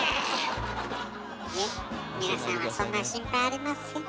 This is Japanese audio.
いえ皆さんはそんな心配ありません。